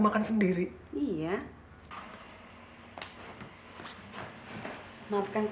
masuk dong guys